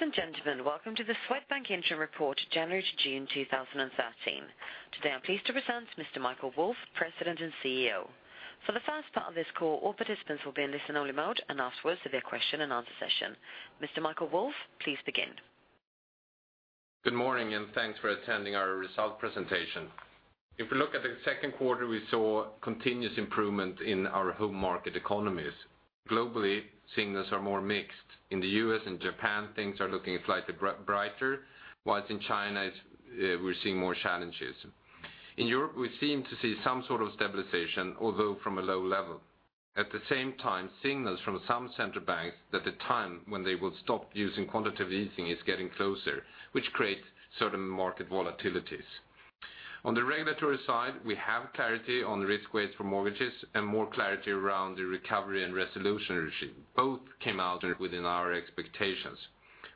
Ladies and gentlemen, welcome to the Swedbank Interim Report, January to June 2013. Today, I'm pleased to present Mr. Michael Wolf, President and CEO. For the first part of this call, all participants will be in listen only mode, and afterwards there will be a question and answer session. Mr. Michael Wolf, please begin. Good morning, and thanks for attending our result presentation. If we look at the second quarter, we saw continuous improvement in our home market economies. Globally, signals are more mixed. In the U.S. and Japan, things are looking slightly brighter, whilst in China, it's, we're seeing more challenges. In Europe, we seem to see some sort of stabilization, although from a low level. At the same time, signals from some central banks that the time when they will stop using quantitative easing is getting closer, which creates certain market volatilities. On the regulatory side, we have clarity on the risk weights for mortgages and more clarity around the recovery and resolution issue. Both came out within our expectations.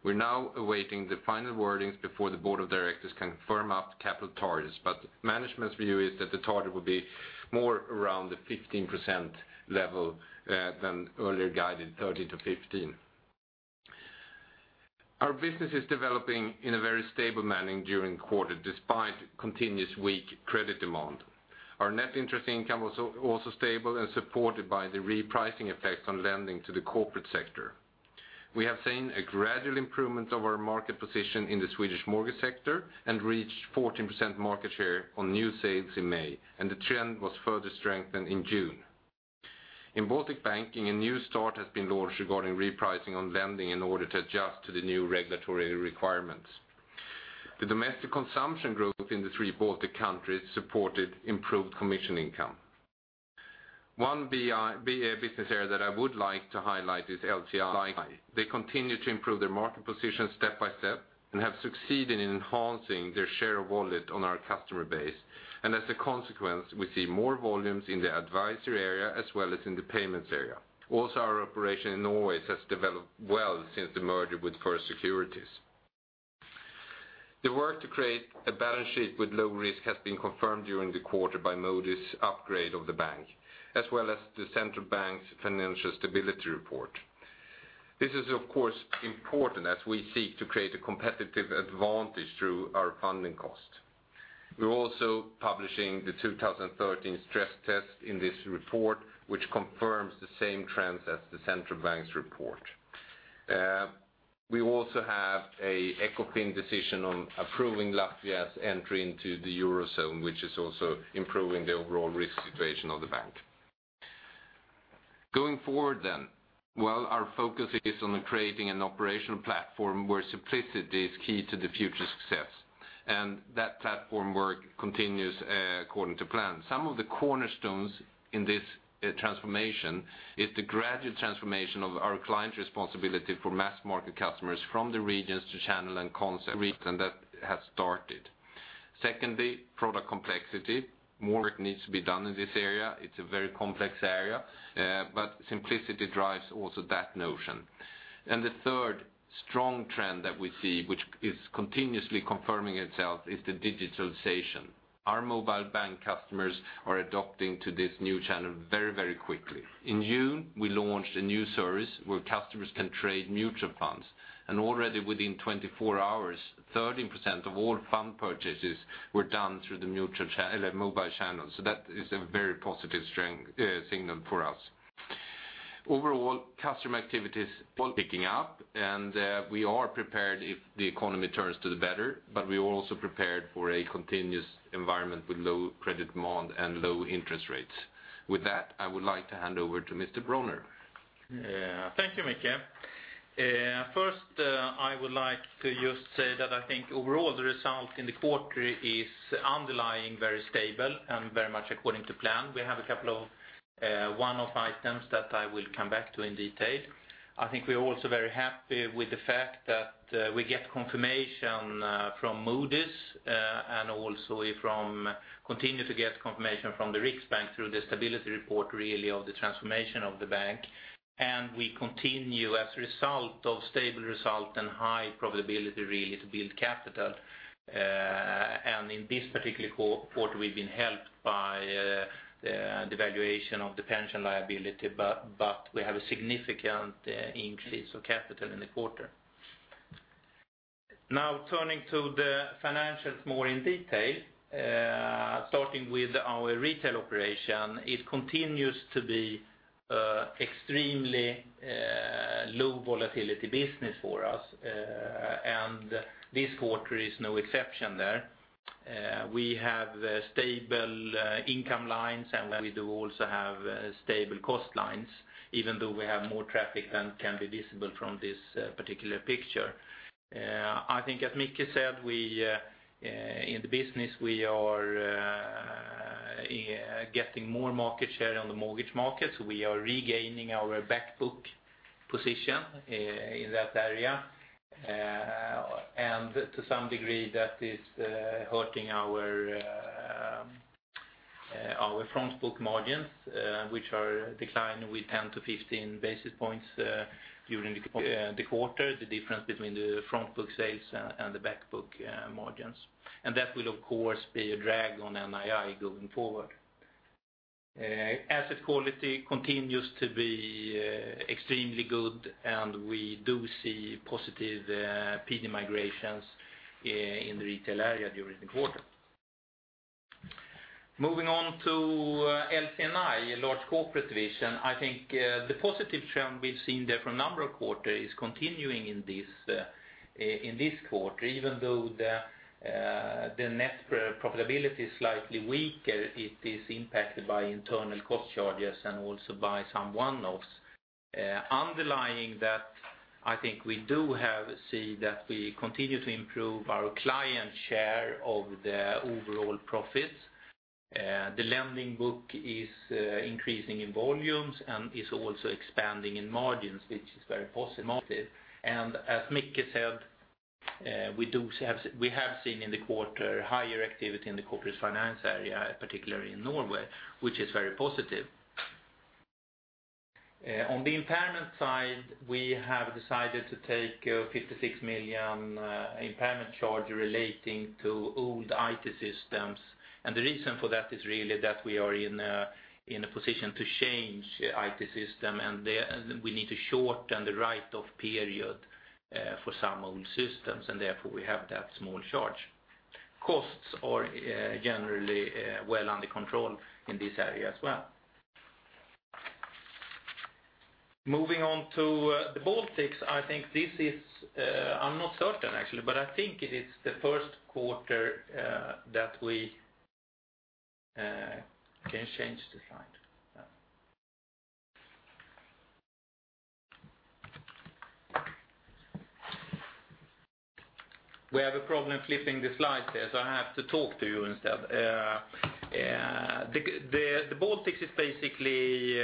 We're now awaiting the final wordings before the board of directors can firm up capital targets, but management's view is that the target will be more around the 15% level than earlier guided 30%-15%. Our business is developing in a very stable manner during the quarter, despite continuous weak credit demand. Our net interest income was also stable and supported by the repricing effects on lending to the corporate sector. We have seen a gradual improvement of our market position in the Swedish mortgage sector and reached 14% market share on new sales in May, and the trend was further strengthened in June. In Baltic Banking, a new start has been launched regarding repricing on lending in order to adjust to the new regulatory requirements. The domestic consumption growth in the three Baltic countries supported improved commission income. One business area that I would like to highlight is LC&I. They continue to improve their market position step by step and have succeeded in enhancing their share of wallet on our customer base, and as a consequence, we see more volumes in the advisory area as well as in the payments area. Also, our operation in Norway has developed well since the merger with First Securities. The work to create a balance sheet with low risk has been confirmed during the quarter by Moody's upgrade of the bank, as well as the Central Bank's Financial Stability Report. This is, of course, important as we seek to create a competitive advantage through our funding cost. We're also publishing the 2013 stress test in this report, which confirms the same trends as the Central Bank's report. We also have a ECOFIN decision on approving Latvia's entry into the Eurozone, which is also improving the overall risk situation of the bank. Going forward then, well, our focus is on creating an operational platform where simplicity is key to the future success, and that platform work continues according to plan. Some of the cornerstones in this transformation is the gradual transformation of our client responsibility for mass market customers from the regions to Channel and Concept, and that has started. Secondly, product complexity. More work needs to be done in this area. It's a very complex area, but simplicity drives also that notion. And the third strong trend that we see, which is continuously confirming itself, is the digitalization. Our mobile bank customers are adopting to this new channel very, very quickly. In June, we launched a new service where customers can trade mutual funds, and already within 24 hours, 13% of all fund purchases were done through the mobile channel, so that is a very positive strength signal for us. Overall, customer activities are picking up, and we are prepared if the economy turns to the better, but we are also prepared for a continuous environment with low credit demand and low interest rates. With that, I would like to hand over to Mr. Bronner. Thank you, Micke. First, I would like to just say that I think overall, the result in the quarter is underlying very stable and very much according to plan. We have a couple of one-off items that I will come back to in detail. I think we are also very happy with the fact that we get confirmation from Moody's and also continue to get confirmation from the Riksbank through the stability report, really, of the transformation of the bank. And we continue, as a result of stable result and high probability, really, to build capital. And in this particular quarter, we've been helped by the valuation of the pension liability, but we have a significant increase of capital in the quarter. Now, turning to the financials more in detail, starting with our retail operation, it continues to be extremely low volatility business for us, and this quarter is no exception there. We have stable income lines, and we do also have stable cost lines, even though we have more traffic than can be visible from this particular picture. I think as Micke said, we in the business, we are getting more market share on the mortgage market, so we are regaining our back book position in that area. And to some degree, that is hurting our our front book margins, which are declined with 10-15 basis points during the quarter, the difference between the front book sales and and the back book margins. And that will, of course, be a drag on NII going forward. Asset quality continues to be extremely good, and we do see positive PD migrations in the retail area during the quarter. Moving on to LC&I, Large Corporate division, I think the positive trend we've seen there for a number of quarter is continuing in this quarter, even though the net profitability is slightly weaker, it is impacted by internal cost charges and also by some one-offs. Underlying that, I think we see that we continue to improve our client share of the overall profits. The lending book is increasing in volumes and is also expanding in margins, which is very positive. As Micke said, we do have, we have seen in the quarter higher activity in the corporate finance area, particularly in Norway, which is very positive. On the impairment side, we have decided to take 56 million impairment charge relating to old IT systems. And the reason for that is really that we are in a position to change IT system, and we need to shorten the write-off period for some old systems, and therefore we have that small charge. Costs are generally well under control in this area as well. Moving on to the Baltics, I think this is, I'm not certain, actually, but I think it is the first quarter that we can change the slide. We have a problem flipping the slides here, so I have to talk to you instead. The Baltics is basically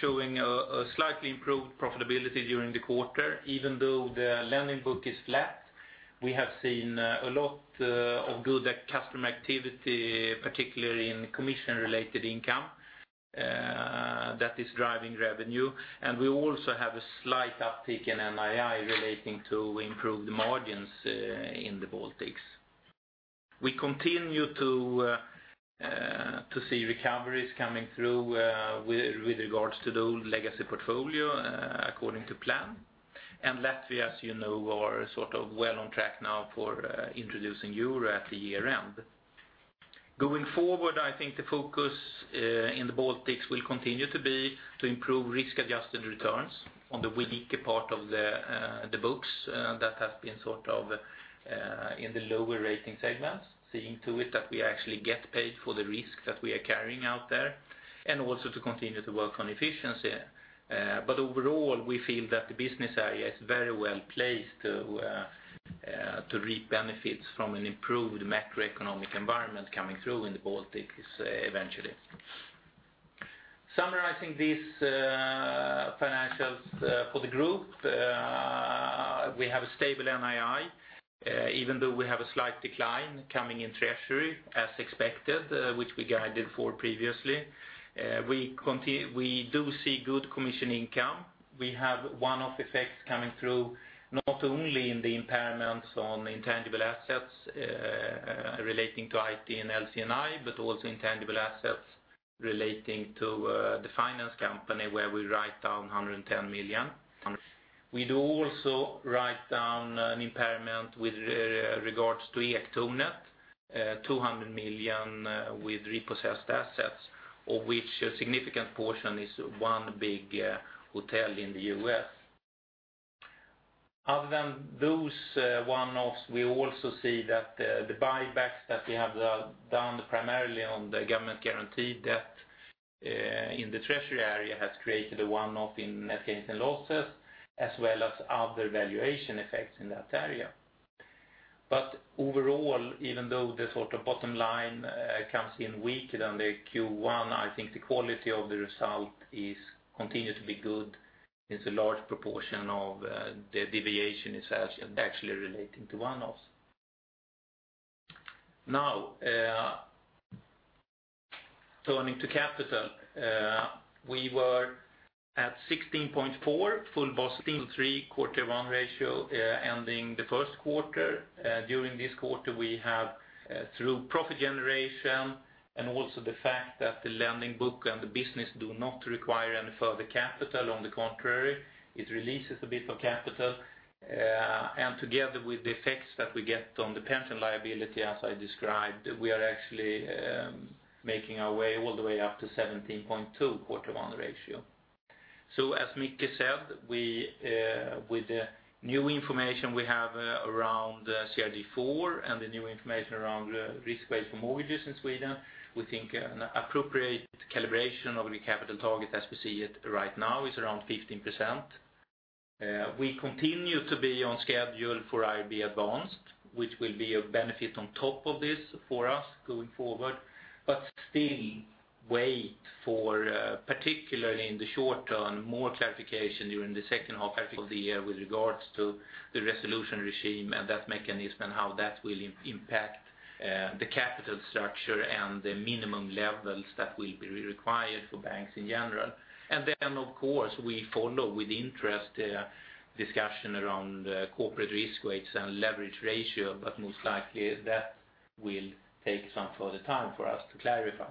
showing a slightly improved profitability during the quarter, even though the lending book is flat. We have seen a lot of good customer activity, particularly in commission-related income, that is driving revenue. And we also have a slight uptick in NII relating to improved margins in the Baltics. We continue to see recoveries coming through with regards to the legacy portfolio according to plan. And Latvia, as you know, are sort of well on track now for introducing Euro at the year-end. Going forward, I think the focus in the Baltics will continue to be to improve risk-adjusted returns on the unique part of the books that have been sort of in the lower rating segments, seeing to it that we actually get paid for the risk that we are carrying out there, and also to continue to work on efficiency. But overall, we feel that the business area is very well placed to reap benefits from an improved macroeconomic environment coming through in the Baltics eventually. Summarizing these financials for the group, we have a stable NII, even though we have a slight decline coming in treasury, as expected, which we guided for previously. We do see good commission income. We have one-off effects coming through, not only in the impairments on intangible assets relating to IT and LC&I, but also intangible assets relating to the finance company, where we write down 110 million. We do also write down an impairment with regards to Ektornet, 200 million with repossessed assets, of which a significant portion is one big hotel in the U.S.. Other than those one-offs, we also see that the buybacks that we have done primarily on the government guarantee debt in the treasury area has created a one-off in net gains and losses, as well as other valuation effects in that area. But overall, even though the sort of bottom line comes in weaker than the Q1, I think the quality of the result is continue to be good, since a large proportion of the deviation is actually relating to one-offs. Now, turning to capital, we were at 16.4 full Basel III CET1 ratio ending the first quarter. During this quarter, we have through profit generation and also the fact that the lending book and the business do not require any further capital, on the contrary, it releases a bit of capital. And together with the effects that we get on the pension liability, as I described, we are actually making our way all the way up to 17.2 CET1 ratio. So as Micke said, we, with the new information we have around CRD IV and the new information around risk weight for mortgages in Sweden, we think an appropriate calibration of the capital target as we see it right now is around 15%. We continue to be on schedule for IRB Advanced, which will be a benefit on top of this for us going forward, but still wait for, particularly in the short term, more clarification during the second half of the year with regards to the resolution regime and that mechanism and how that will impact, the capital structure and the minimum levels that will be required for banks in general. And then, of course, we follow with interest, discussion around corporate risk weights and leverage ratio, but most likely that will take some further time for us to clarify.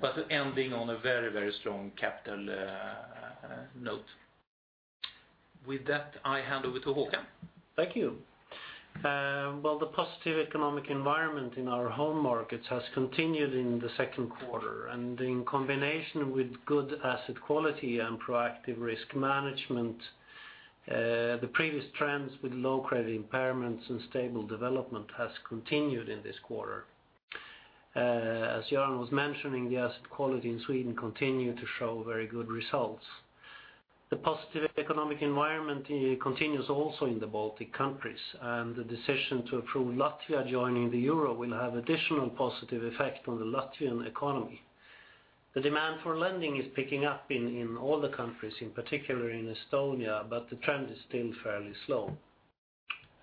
but ending on a very, very strong capital note. With that, I hand over to Håkan. Thank you. Well, the positive economic environment in our home markets has continued in the second quarter, and in combination with good asset quality and proactive risk management, the previous trends with low credit impairments and stable development has continued in this quarter. As Göran was mentioning, the asset quality in Sweden continued to show very good results. The positive economic environment continues also in the Baltic countries, and the decision to approve Latvia joining the euro will have additional positive effect on the Latvian economy. The demand for lending is picking up in all the countries, in particular in Estonia, but the trend is still fairly slow.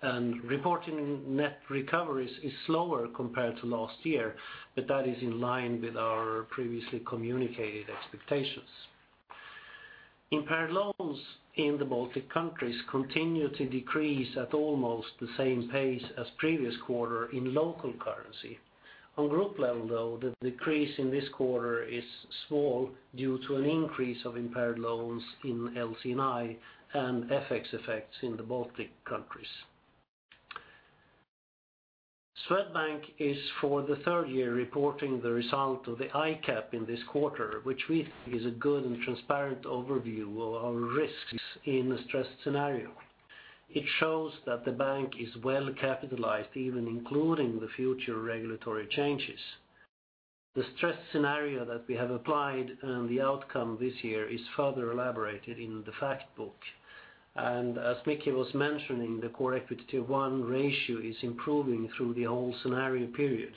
Reporting net recoveries is slower compared to last year, but that is in line with our previously communicated expectations. Impaired loans in the Baltic countries continue to decrease at almost the same pace as previous quarter in local currency. On group level, though, the decrease in this quarter is small due to an increase of impaired loans in LC&I and FX effects in the Baltic countries. Swedbank is for the third year reporting the result of the ICAAP in this quarter, which we think is a good and transparent overview of our risks in a stressed scenario. It shows that the bank is well capitalized, even including the future regulatory changes. The stress scenario that we have applied, and the outcome this year is further elaborated in the fact book. And as Micke was mentioning, the core equity tier one ratio is improving through the whole scenario period.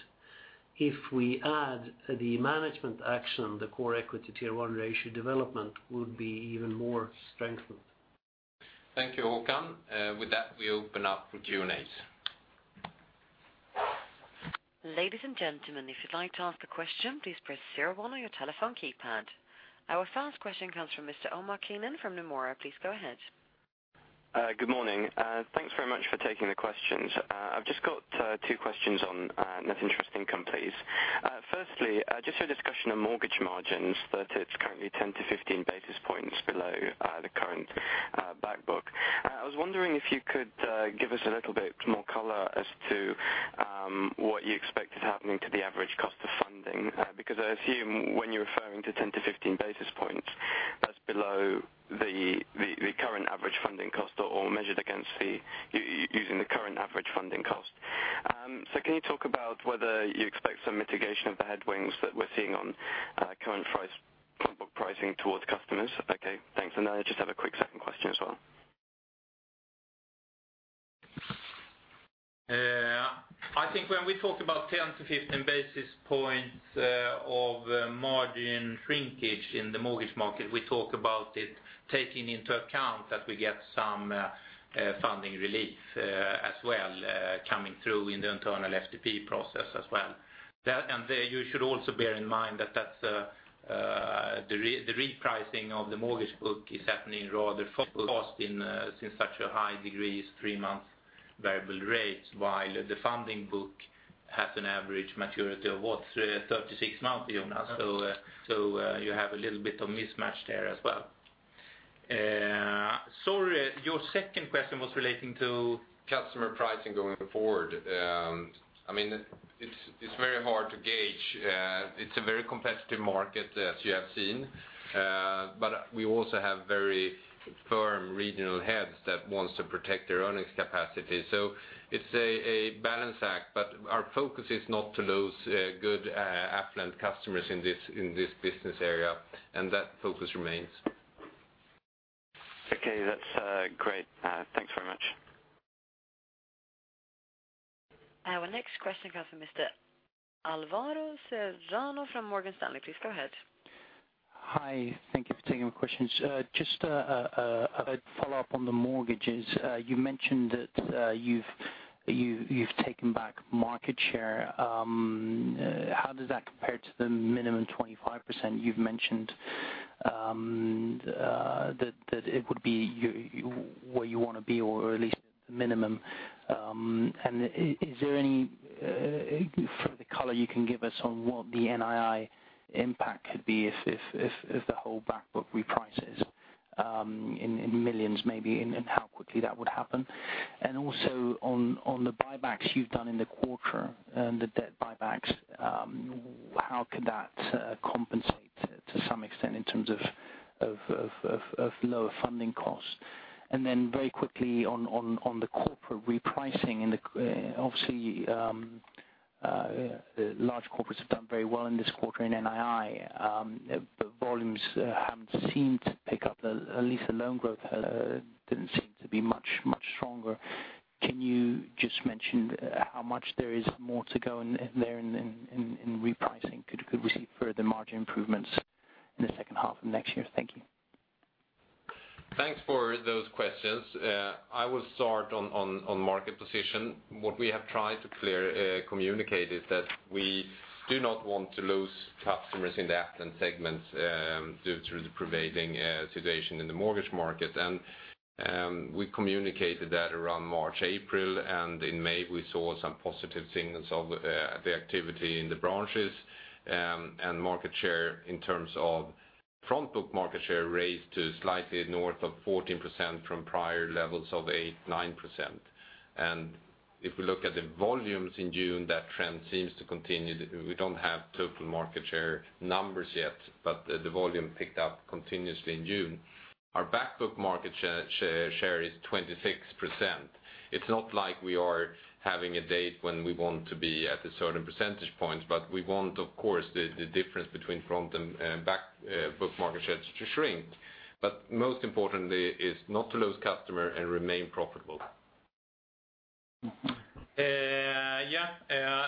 If we add the management action, the core equity tier one ratio development would be even more strengthened. Thank you, Håkan. With that, we open up for Q&A. Ladies and gentlemen, if you'd like to ask a question, please press zero one on your telephone keypad. Our first question comes from Mr. Omar Keenan from Nomura. Please go ahead. Good morning. Thanks very much for taking the questions. I've just got two questions on net interest income, please. Firstly, just a discussion on mortgage margins, that it's currently 10-15 basis points below the current back book. I was wondering if you could give us a little bit more color as to what you expected happening to the average cost of funding? Because I assume when you're referring to 10-15 basis points, that's below the current average funding cost or measured against using the current average funding cost. So can you talk about whether you expect some mitigation of the headwinds that we're seeing on current price book pricing towards customers? Okay, thanks. And I just have a quick second question as well. I think when we talk about 10-15 basis points of margin shrinkage in the mortgage market, we talk about it taking into account that we get some funding relief as well coming through in the internal FTP process as well. That, and you should also bear in mind that that's the repricing of the mortgage book is happening rather fast in since such a high degree is three months variable rates, while the funding book has an average maturity of what? 36 months, Jonas. So you have a little bit of mismatch there as well. Sorry, your second question was relating to? Customer pricing going forward. I mean, it's very hard to gauge. It's a very competitive market, as you have seen. But we also have very firm regional heads that wants to protect their earnings capacity. So it's a balance act, but our focus is not to lose good affluent customers in this business area, and that focus remains. Okay, that's great. Thanks very much. Our next question comes from Mr. Alvaro Serrano from Morgan Stanley. Please go ahead. Hi, thank you for taking my questions. Just a follow-up on the mortgages. You mentioned that you've taken back market share. How does that compare to the minimum 25% you've mentioned? That it would be you where you wanna be, or at least the minimum. And is there any further color you can give us on what the NII impact could be if the whole back book reprices, in millions maybe, and how quickly that would happen? And also on the buybacks you've done in the quarter, and the debt buybacks, how could that compensate to some extent in terms of lower funding costs? Very quickly on the corporate repricing and the obviously large corporates have done very well in this quarter in NII, but volumes haven't seemed to pick up, at least the loan growth didn't seem to be much stronger. Can you just mention how much there is more to go in there in repricing? Could we see further margin improvements in the second half of next year? Thank you. Thanks for. I will start on market position. What we have tried to clear, communicate is that we do not want to lose customers in the affluent segments, due to the prevailing situation in the mortgage market. And we communicated that around March, April, and in May, we saw some positive signals of the activity in the branches, and market share in terms of front book market share raised to slightly north of 14% from prior levels of 8%-9%. And if we look at the volumes in June, that trend seems to continue. We don't have total market share numbers yet, but the volume picked up continuously in June. Our back book market share is 26%. It's not like we are having a date when we want to be at a certain percentage point, but we want, of course, the difference between front and back book market shares to shrink. But most importantly, is not to lose customer and remain profitable. Yeah,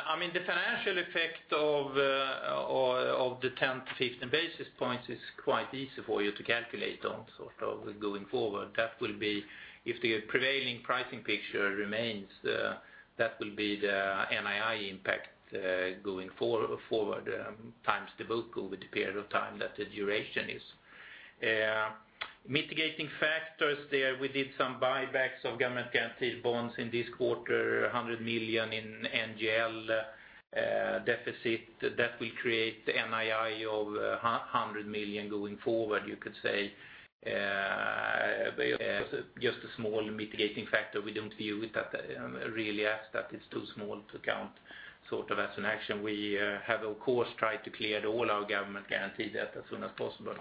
I mean, the financial effect of the 10-15 basis points is quite easy for you to calculate on, sort of going forward. That will be if the prevailing pricing picture remains, that will be the NII impact, going forward, times the book over the period of time that the duration is. Mitigating factors there, we did some buybacks of government guaranteed bonds in this quarter, 100 million deficit. That will create NII of 100 million going forward, you could say. Just a small mitigating factor, we don't view it really as that, it's too small to count, sort of as an action. We have, of course, tried to clear all our government guaranteed debt as soon as possible.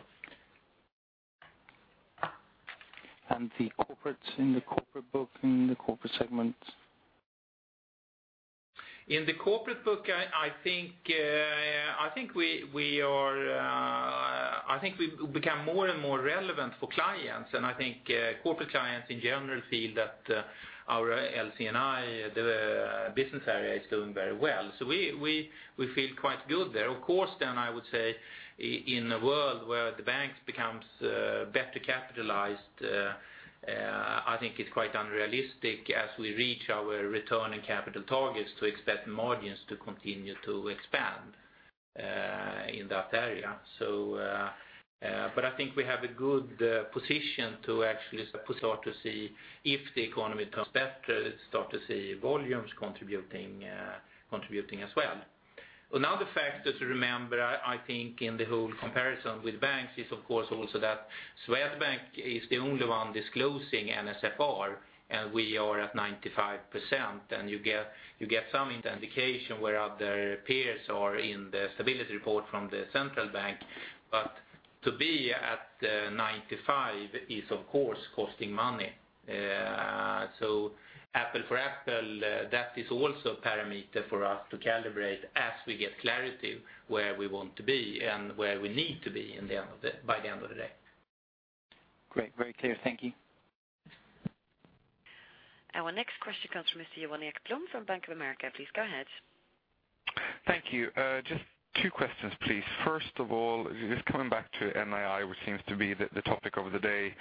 The corporates in the corporate book, in the corporate segment? In the corporate book, I think we've become more and more relevant for clients, and I think corporate clients in general feel that our LC&I, the business area, is doing very well. So we feel quite good there. Of course, then I would say in a world where the banks becomes better capitalized, I think it's quite unrealistic as we reach our return on capital targets, to expect margins to continue to expand in that area. But I think we have a good position to actually start to see if the economy turns better, start to see volumes contributing as well. Another factor to remember, I think, in the whole comparison with banks is, of course, also that Swedbank is the only one disclosing NSFR, and we are at 95%. You get some indication where other peers are in the stability report from the central bank. But to be at 95% is, of course, costing money. So apples to apples, that is also a parameter for us to calibrate as we get clarity where we want to be and where we need to be by the end of the day. Great. Very clear. Thank you. Our next question comes from Mr. Johan Ekblom from Bank of America. Please go ahead. Thank you. Just two questions, please. First of all, just coming back to NII, which seems to be the topic of the day.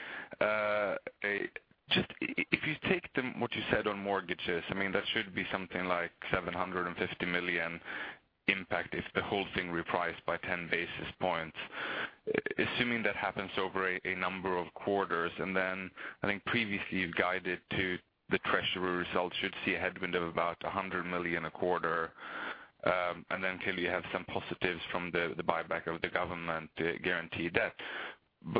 Just if you take the, what you said on mortgages, I mean, that should be something like 750 million impact if the whole thing repriced by 10 basis points. Assuming that happens over a number of quarters, and then I think previously you've guided to the treasury results, should see a headwind of about 100 million a quarter, and then clearly you have some positives from the buyback of the government guaranteed debt.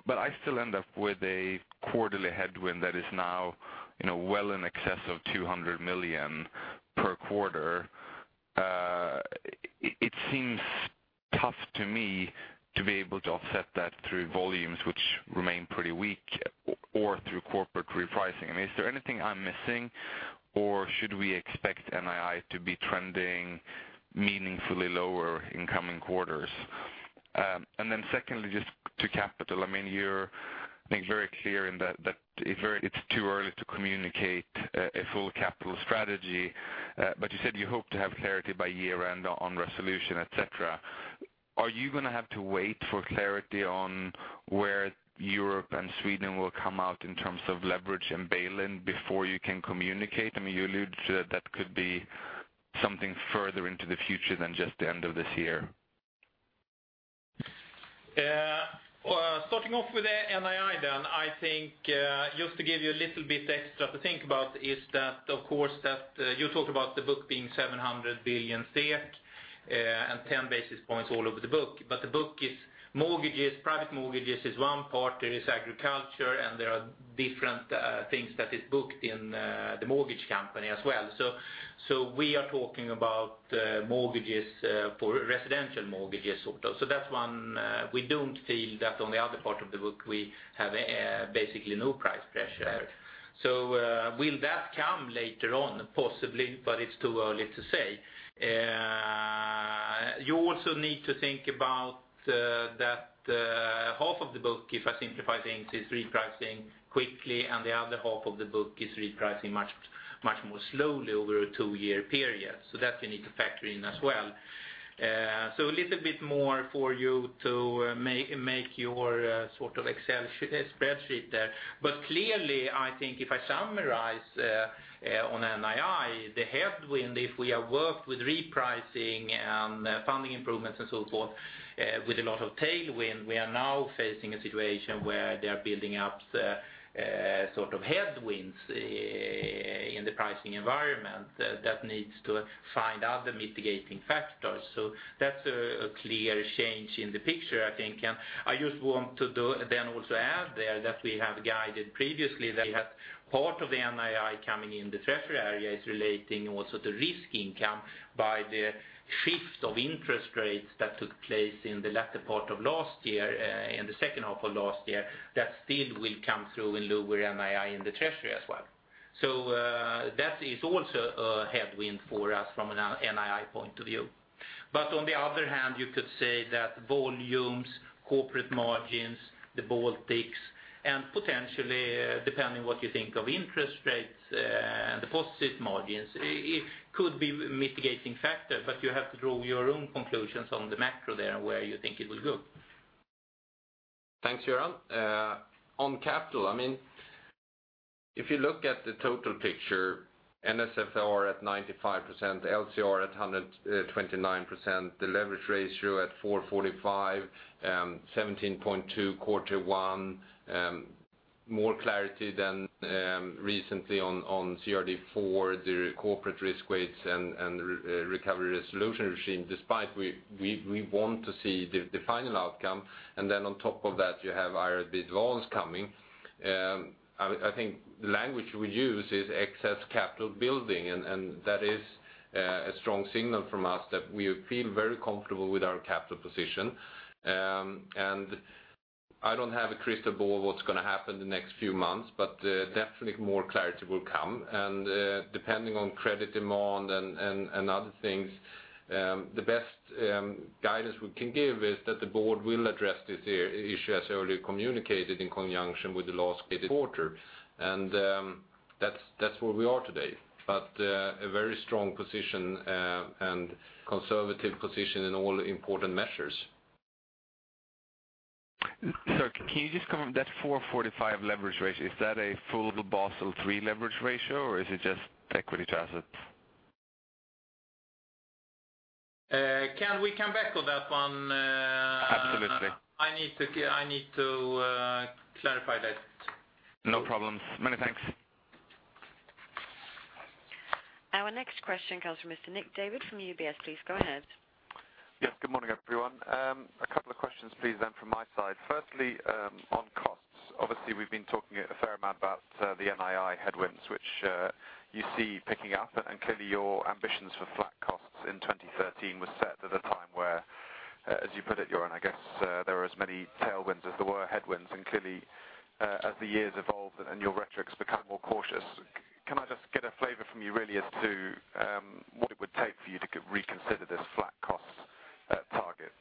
But I still end up with a quarterly headwind that is now, you know, well in excess of 200 million per quarter. It seems tough to me to be able to offset that through volumes which remain pretty weak or through corporate repricing. I mean, is there anything I'm missing, or should we expect NII to be trending meaningfully lower in coming quarters? And then secondly, just to capital. I mean, you're, I think, very clear in that it's too early to communicate a full capital strategy, but you said you hope to have clarity by year-end on resolution, et cetera. Are you going to have to wait for clarity on where Europe and Sweden will come out in terms of leverage and bail-in before you can communicate? I mean, you allude to that could be something further into the future than just the end of this year. Well, starting off with the NII then, I think, just to give you a little bit extra to think about is that, of course, that, you talked about the book being 700 billion SEK, and 10 basis points all over the book. But the book is mortgages, private mortgages is one part, there is agriculture, and there are different, things that is booked in, the mortgage company as well. So, so we are talking about, mortgages, for residential mortgages, sort of. So that's one, we don't feel that on the other part of the book, we have, basically no price pressure. So, will that come later on? Possibly, but it's too early to say. You also need to think about that half of the book, if I simplify things, is repricing quickly, and the other half of the book is repricing much, much more slowly over a two-year period. So that you need to factor in as well. So a little bit more for you to make your sort of Excel spreadsheet there. But clearly, I think if I summarize on NII, the headwind, if we are worked with repricing and funding improvements and so forth, with a lot of tailwind, we are now facing a situation where they are building up the sort of headwinds in the pricing environment. That needs to find other mitigating factors. So that's a clear change in the picture, I think. And I just want to then also add there that we have guided previously, that we have part of the NII coming in the treasury area is relating also to risk income by the shifts of interest rates that took place in the latter part of last year, in the second half of last year, that still will come through in lower NII in the treasury as well. So, that is also a headwind for us from an NII point of view. But on the other hand, you could say that volumes, corporate margins, the Baltics, and potentially, depending what you think of interest rates, and the positive margins, it could be mitigating factor, but you have to draw your own conclusions on the macro there, and where you think it will go. Thanks, Göran. On capital, I mean, if you look at the total picture, NSFR at 95%, LCR at 129%, the leverage ratio at 4.45, 17.2, quarter one, more clarity than recently on CRD IV, the corporate risk weights and recovery and resolution regime, despite we want to see the final outcome. And then on top of that, you have IRB loans coming. I think the language we use is excess capital building, and that is a strong signal from us that we feel very comfortable with our capital position. And I don't have a crystal ball of what's gonna happen the next few months, but definitely more clarity will come. Depending on credit demand and other things, the best guidance we can give is that the board will address this issue as already communicated in conjunction with the last quarter. That's where we are today. But a very strong position and conservative position in all important measures. Sir, can you just cover that 4.45 leverage ratio? Is that a full Basel III leverage ratio, or is it just equity to assets? Can we come back on that one? Absolutely. I need to clarify that. No problems. Many thanks. Our next question comes from Mr. Nick Davey from UBS. Please go ahead. Yes. Good morning, everyone. A couple of questions, please, then from my side. Firstly, on costs. Obviously, we've been talking a fair amount about the NII headwinds, which you see picking up, and clearly, your ambitions for flat costs in 2013 was set at a time where, as you put it, Göran, I guess, there are as many tailwinds as there were headwinds. And clearly, as the years evolve and your metrics become more cautious, can I just get a flavor from you really as to what it would take for you to reconsider this flat cost target?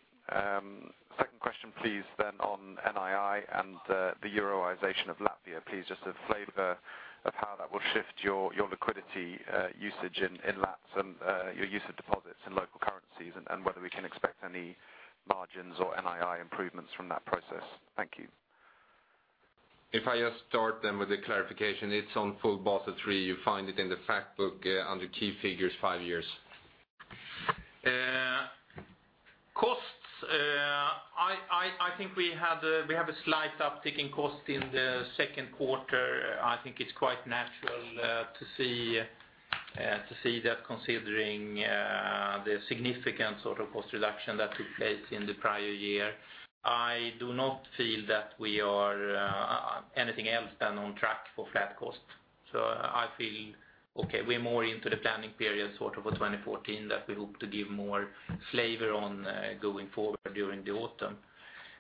Second question, please, then on NII and the euroization of Latvia. Please, just a flavor of how that will shift your liquidity usage in lats and your use of deposits in local currencies, and whether we can expect any margins or NII improvements from that process. Thank you. If I just start then with the clarification, it's on full Basel III. You find it in the fact book under Key Figures five years. Costs, I think we have a slight uptick in cost in the second quarter. I think it's quite natural to see that considering the significant sort of cost reduction that took place in the prior year. I do not feel that we are anything else than on track for flat cost. So I feel, okay, we're more into the planning period, sort of for 2014, that we hope to give more flavor on going forward during the autumn.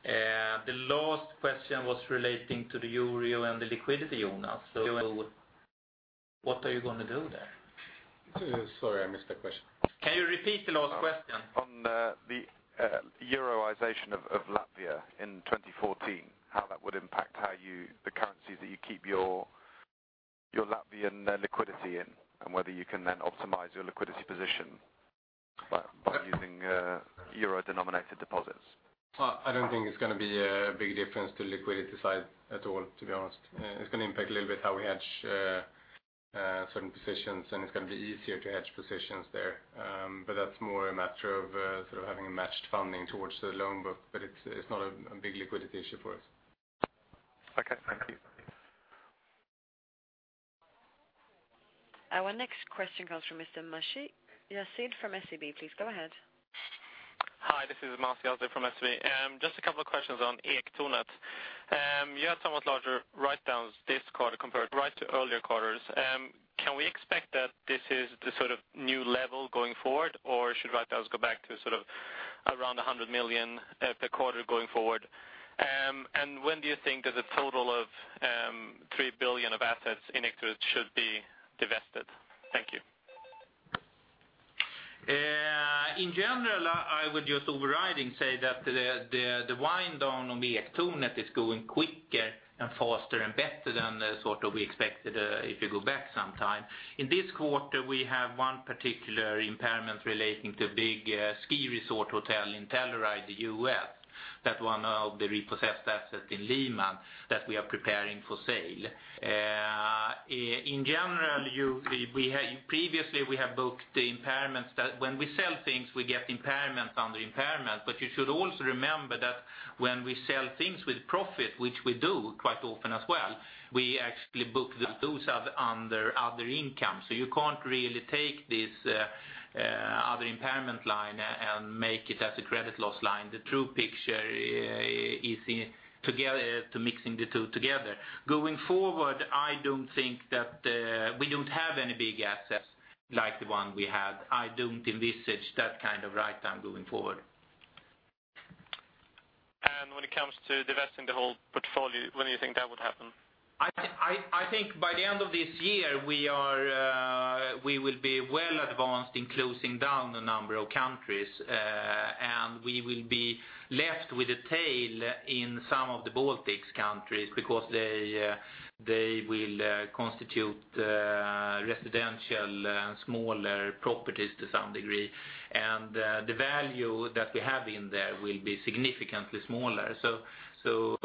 The last question was relating to the euro and the liquidity in the US. So what are you gonna do there? Sorry, I missed that question. Can you repeat the last question? On the euroization of Latvia in 2014, how that would impact how you... The currencies that you keep your Latvian liquidity in, and whether you can then optimize your liquidity position by using euro-denominated deposits. I don't think it's gonna be a big difference to the liquidity side at all, to be honest. It's gonna impact a little bit how we hedge certain positions, and it's gonna be easier to hedge positions there. But that's more a matter of sort of having a matched funding towards the loan book, but it's not a big liquidity issue for us. Okay. Thank you. Our next question comes from Mr. Masih Yazdi from SEB. Please go ahead. Hi, this is Masih Yazdi from SEB. Just a couple of questions on Ektornet. You had somewhat larger write-downs this quarter compared right to earlier quarters. Can we expect that this is the sort of new level going forward, or should write-downs go back to sort of around 100 million at the quarter going forward? And when do you think that the total of 3 billion of assets in equity should be divested? Thank you. In general, I would just overriding say that the wind down on the Ektornet is going quicker and faster and better than the sort of we expected, if you go back some time. In this quarter, we have one particular impairment relating to big ski resort hotel in Telluride, the U.S.. That one of the repossessed assets in Lehman that we are preparing for sale. In general, we had previously, we have booked the impairments that when we sell things, we get impairment on the impairment. But you should also remember that when we sell things with profit, which we do quite often as well, we actually book those up under other income. So you can't really take this other impairment line and make it as a credit loss line. The true picture is in mixing the two together. Going forward, I don't think that we don't have any big assets like the one we had. I don't envisage that kind of write down going forward. When it comes to divesting the whole portfolio, when do you think that would happen? I think by the end of this year, we will be well advanced in closing down a number of countries. And we will be left with a tail in some of the Baltic countries because they will constitute residential smaller properties to some degree. And the value that we have in there will be significantly smaller. So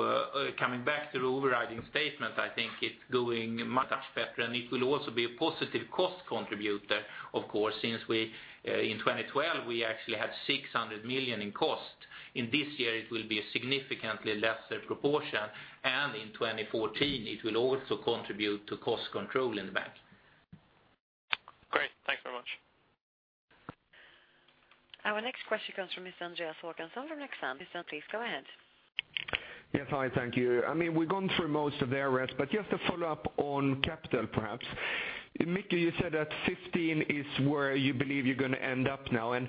coming back to the overriding statement, I think it's going much better, and it will also be a positive cost contributor, of course, since we in 2012 actually had 600 million in cost. In this year, it will be a significantly lesser proportion, and in 2014, it will also contribute to cost control in the bank. Great. Thanks very much. Our next question comes from Mr. Andreas Håkansson from Exane. Please go ahead. Yes. Hi, thank you. I mean, we've gone through most of the areas, but just to follow up on capital, perhaps. Micke, you said that 15 is where you believe you're going to end up now, and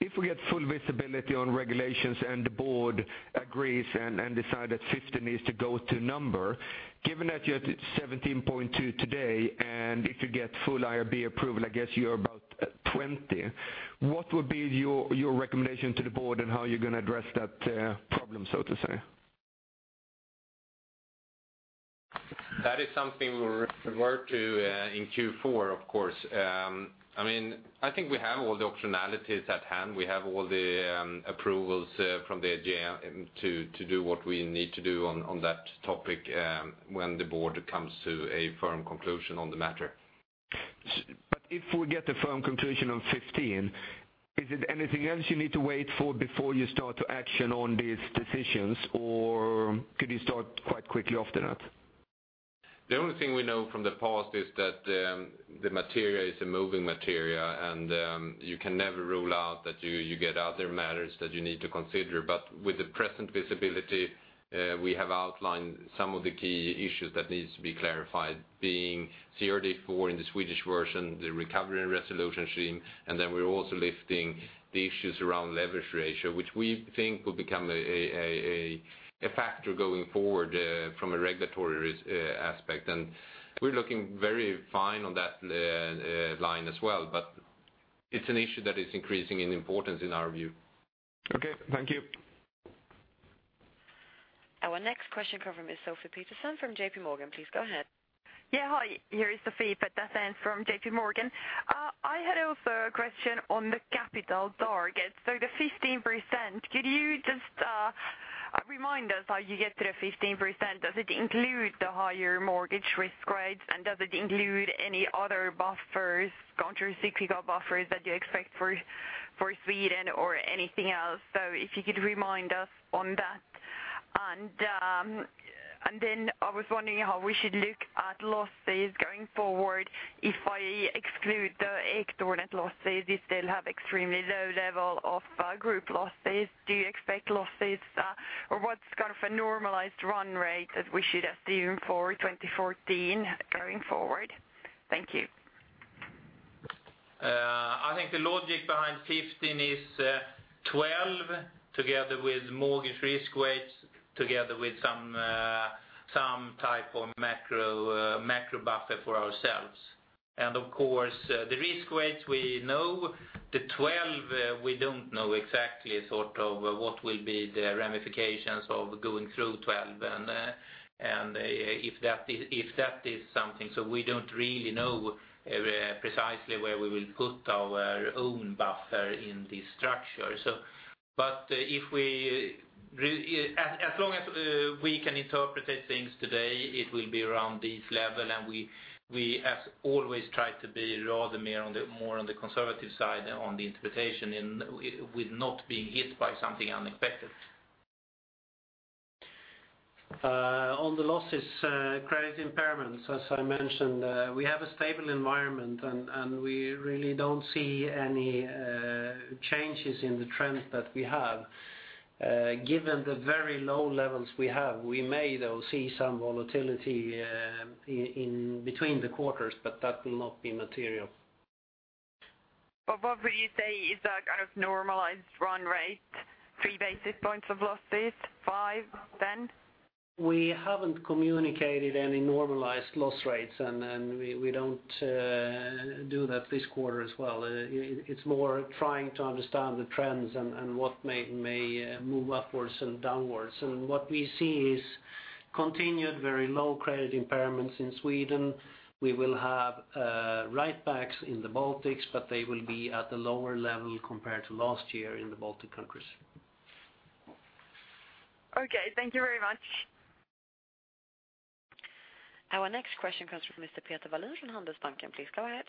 if we get full visibility on regulations and the board agrees and decide that 15 is the go-to number, given that you're at 17.2 today, and if you get full IRB approval, I guess you're about 20. What would be your recommendation to the board and how you're going to address that problem, so to say? That is something we'll refer to in Q4, of course. I mean, I think we have all the optionalities at hand. We have all the approvals from the AGM to do what we need to do on that topic when the board comes to a firm conclusion on the matter. If we get a firm conclusion on 15, is it anything else you need to wait for before you start to action on these decisions, or could you start quite quickly after that? The only thing we know from the past is that, the material is a moving material, and, you can never rule out that you get other matters that you need to consider. But with the present visibility, we have outlined some of the key issues that needs to be clarified, being CRD IV in the Swedish version, the Recovery and Resolution Scheme, and then we're also lifting the issues around leverage ratio, which we think will become a factor going forward, from a regulatory risk aspect. And we're looking very fine on that line as well, but it's an issue that is increasing in importance in our view. Okay, thank you. Our next question comes from Ms. Sofie Peterzens from JPMorgan. Please go ahead. Yeah, hi, here is Sofie Peterzens from JPMorgan. I had also a question on the capital target. So the 15%, could you just remind us how you get to the 15%? Does it include the higher mortgage risk grades, and does it include any other buffers, countercyclical buffers that you expect for Sweden or anything else? So if you could remind us on that. And then I was wondering how we should look at losses going forward, if I exclude the extraordinary losses, if they'll have extremely low level of group losses. Do you expect losses, or what's kind of a normalized run rate that we should assume for 2014 going forward? Thank you. I think the logic behind 15 is 12, together with mortgage risk weights, together with some type of macro buffer for ourselves. And of course, the risk weights we know, the 12, we don't know exactly sort of what will be the ramifications of going through 12, and if that is, if that is something. So we don't really know precisely where we will put our own buffer in this structure. So but if we as long as we can interpret things today, it will be around this level, and we as always try to be rather more on the more on the conservative side on the interpretation with not being hit by something unexpected. On the losses, credit impairments, as I mentioned, we have a stable environment, and we really don't see any changes in the trends that we have. Given the very low levels we have, we may, though, see some volatility in between the quarters, but that will not be material. What would you say is a kind of normalized run rate, 3 basis points of losses, five, 10? We haven't communicated any normalized loss rates, and we don't do that this quarter as well. It's more trying to understand the trends and what may move upwards and downwards. What we see is continued very low credit impairments in Sweden. We will have write-backs in the Baltics, but they will be at a lower level compared to last year in the Baltic countries. Okay, thank you very much. Our next question comes from Mr. Peter Wallin from Handelsbanken. Please go ahead.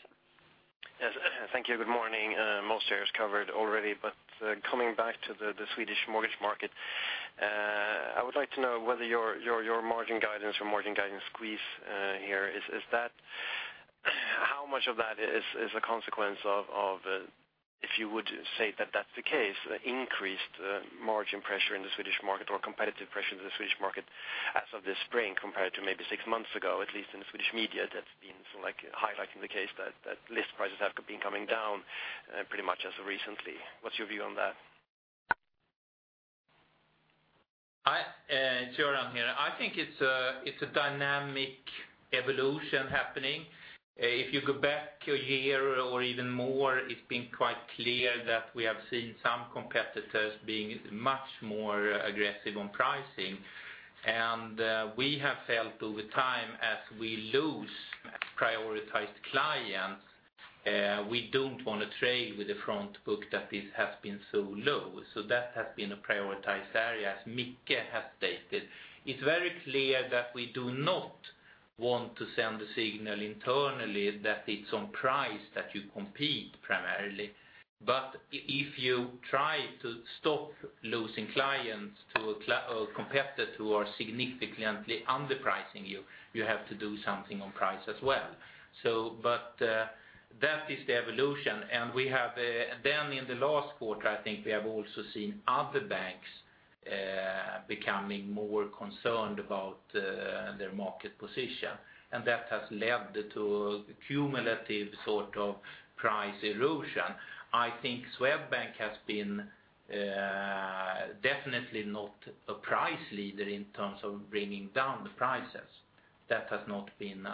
Yes, thank you. Good morning. Most shares covered already, but coming back to the Swedish mortgage market, I would like to know whether your margin guidance or margin guidance squeeze here is – how much of that is a consequence of, if you would say that that's the case, increased margin pressure in the Swedish market or competitive pressure in the Swedish market as of this spring, compared to maybe six months ago. At least in the Swedish media, that's been sort of like highlighting the case that list prices have been coming down pretty much as of recently. What's your view on that? It's Göran here. I think it's a dynamic evolution happening. If you go back a year or even more, it's been quite clear that we have seen some competitors being much more aggressive on pricing. And we have felt over time, as we lose prioritized clients, we don't wanna trade with the front book that this has been so low. So that has been a prioritized area, as Micke has stated. It's very clear that we do not want to send a signal internally that it's on price that you compete primarily. But if you try to stop losing clients to a competitor who are significantly underpricing you, you have to do something on price as well. So but, that is the evolution, and we have... Then in the last quarter, I think we have also seen other banks becoming more concerned about their market position, and that has led to a cumulative sort of price erosion. I think Swedbank has been definitely not a price leader in terms of bringing down the prices. That has not been,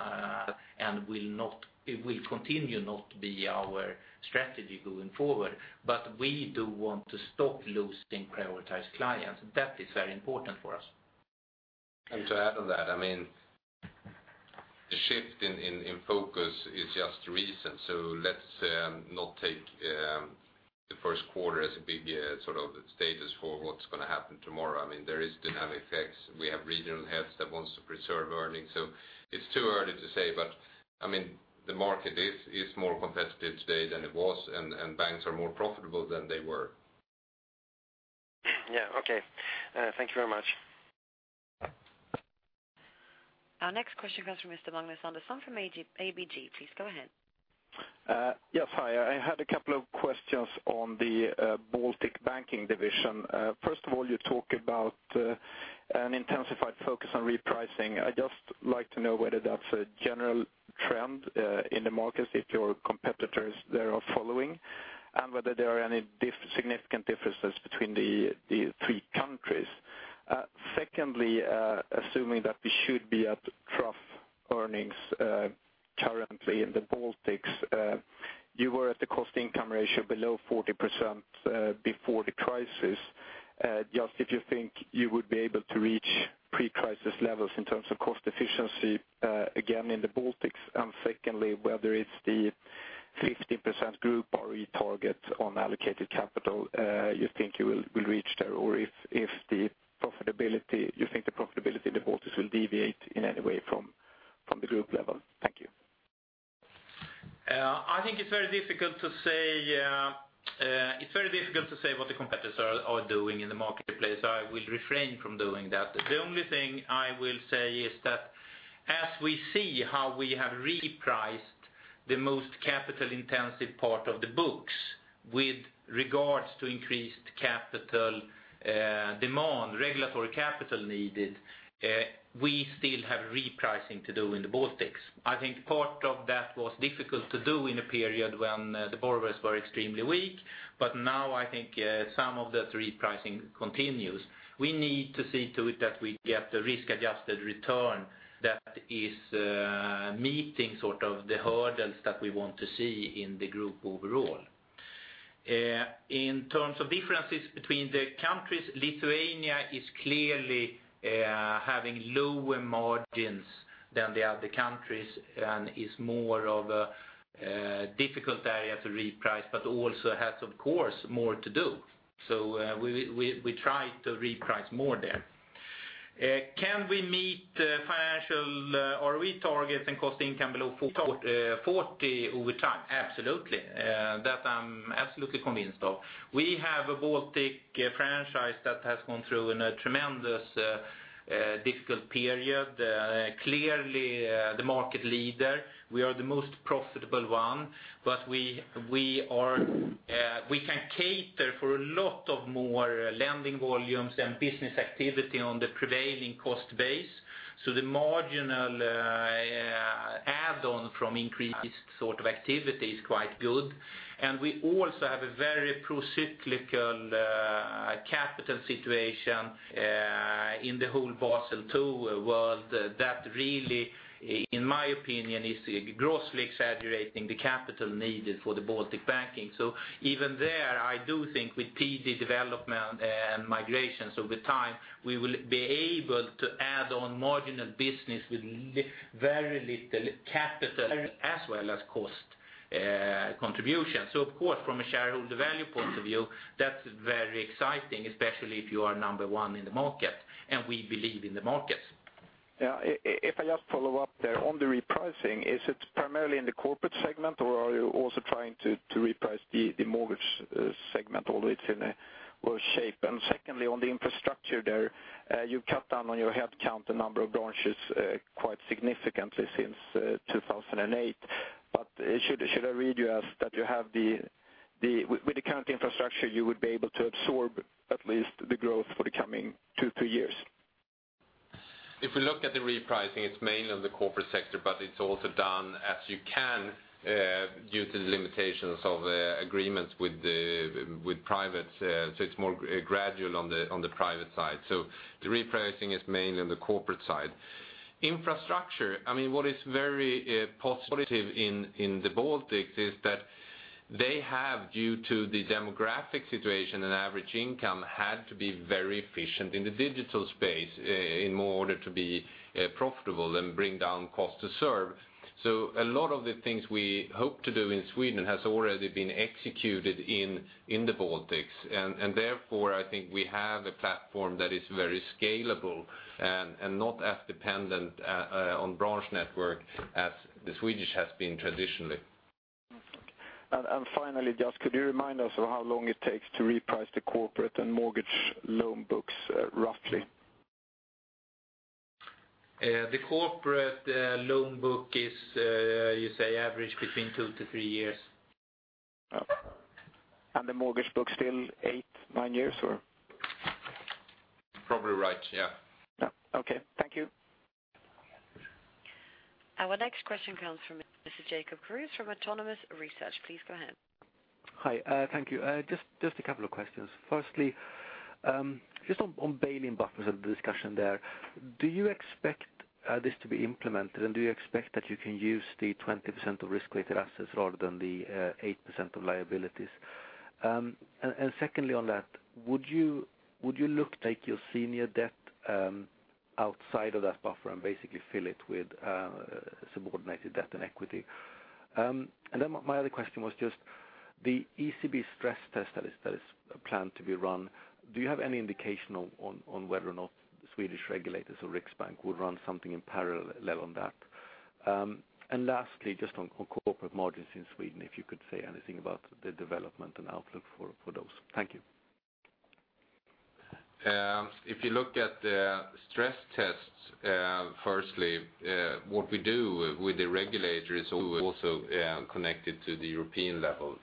and will not, it will continue not to be our strategy going forward. But we do want to stop losing prioritized clients. That is very important for us. To add on that, I mean, the shift in focus is just recent, so let's not take the first quarter as a big sort of status for what's gonna happen tomorrow. I mean, there is dynamic effects. We have regional heads that wants to preserve earnings. So it's too early to say, but I mean, the market is more competitive today than it was, and banks are more profitable than they were. Yeah, okay. Thank you very much. Our next question comes from Mr. Magnus Andersson from ABG. Please go ahead. Yes, hi. I had a couple of questions on the Baltic banking division. First of all, you talk about an intensified focus on repricing. I'd just like to know whether that's a general trend in the markets, if your competitors there are following, and whether there are any significant differences between the three countries. Secondly, assuming that we should be at trough earnings currently in the Baltics, you were at the cost-income ratio below 40% before the crisis. Just if you think you would be able to reach pre-crisis levels in terms of cost efficiency, again, in the Baltics, and secondly, whether it's the 50% group or target on allocated capital, you think you will reach there, or if the profitability, you think the profitability in the Baltics will deviate in any way from the group level? Thank you. I think it's very difficult to say what the competitors are doing in the marketplace. I will refrain from doing that. The only thing I will say is that as we see how we have repriced the most capital-intensive part of the books with regards to increased capital demand, regulatory capital needed, we still have repricing to do in the Baltics. I think part of that was difficult to do in a period when the borrowers were extremely weak, but now I think some of that repricing continues. We need to see to it that we get the risk-adjusted return that is meeting sort of the hurdles that we want to see in the group overall. In terms of differences between the countries, Lithuania is clearly having lower margins than the other countries and is more of a difficult area to reprice, but also has, of course, more to do. So, we try to reprice more there. Can we meet financial ROE targets and cost/income below 40% over time? Absolutely. That I'm absolutely convinced of. We have a Baltic franchise that has gone through a tremendous difficult period. Clearly, the market leader, we are the most profitable one, but we are- we can cater for a lot of more lending volumes and business activity on the prevailing cost base. So the marginal, add-on from increased sort of activity is quite good. And we also have a very procyclical, capital situation, in the whole Basel II world, that really, in my opinion, is grossly exaggerating the capital needed for the Baltic banking. So even there, I do think with PD development and migrations over time, we will be able to add on marginal business with very little capital as well as cost, contribution. So of course, from a shareholder value point of view, that's very exciting, especially if you are number one in the market, and we believe in the market. Yeah. If I just follow up there, on the repricing, is it primarily in the corporate segment, or are you also trying to reprice the mortgage segment, although it's in a worse shape? Secondly, on the infrastructure there, you cut down on your headcount, the number of branches, quite significantly since 2008. Should I read you as that you have the—with the current infrastructure, you would be able to absorb at least the growth for the coming two, three years? If we look at the repricing, it's mainly on the corporate sector, but it's also done as you can, due to the limitations of, agreements with the, with privates. So it's more gradual on the private side. So the repricing is mainly on the corporate side. Infrastructure, I mean, what is very positive in the Baltics is that they have, due to the demographic situation and average income, had to be very efficient in the digital space, in order to be profitable and bring down cost to serve. So a lot of the things we hope to do in Sweden has already been executed in the Baltics. And therefore, I think we have a platform that is very scalable and not as dependent on branch network as the Swedish has been traditionally. And, and finally, just could you remind us of how long it takes to reprice the corporate and mortgage loan books, roughly? The corporate loan book is, you say, average between two to three years. Oh. And the mortgage book still eight, nine years, or? Probably right, yeah. Yeah. Okay, thank you. Our next question comes from Mr. Jacob Kruse from Autonomous Research. Please go ahead. Hi, thank you. Just, just a couple of questions. Firstly, just on, on bail-in buffers of the discussion there, do you expect, this to be implemented, and do you expect that you can use the 20% of risk-weighted assets rather than the, eight percent of liabilities? And, and secondly on that, would you, would you look to take your senior debt, outside of that buffer and basically fill it with, subordinated debt and equity? And then my, my other question was just the ECB stress test that is, that is planned to be run, do you have any indication on, on, on whether or not the Swedish regulators or Riksbank will run something in parallel level on that? Lastly, just on corporate margins in Sweden, if you could say anything about the development and outlook for those. Thank you. If you look at the stress tests, firstly, what we do with the regulators who are also connected to the European level,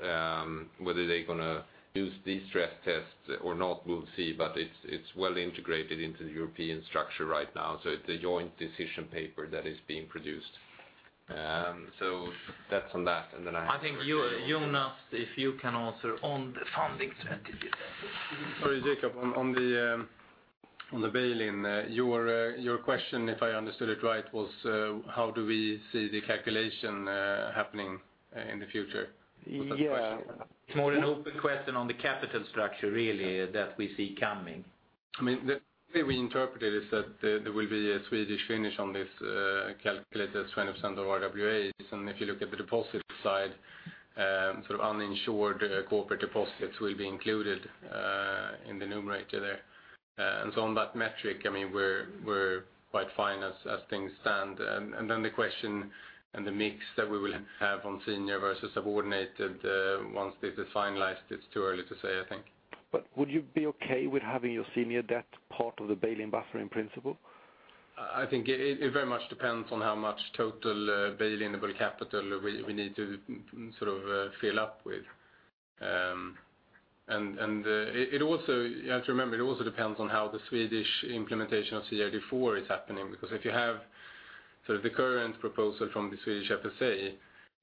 whether they're gonna use these stress tests or not, we'll see, but it's well integrated into the European structure right now. So it's a joint decision paper that is being produced. So that's on that, and then I- I think you, Jonas, if you can answer on the funding strategy there. Sorry, Jacob, on the bail-in, your question, if I understood it right, was how do we see the calculation happening in the future? Yeah. It's more an open question on the capital structure, really, that we see coming. I mean, the way we interpret it is that there will be a Swedish finish on this, calculated as 20% of our RWAs. And if you look at the deposit side, sort of uninsured corporate deposits will be included in the numerator there. And so on that metric, I mean, we're quite fine as things stand. And then the question and the mix that we will have on senior versus subordinated, once this is finalized, it's too early to say, I think. But would you be okay with having your senior debt part of the bail-in buffer in principle? I think it very much depends on how much total bail-inable capital we need to sort of fill up with. And it also... You have to remember, it also depends on how the Swedish implementation of CRD IV is happening. Because if you have sort of the current proposal from the Swedish FSA,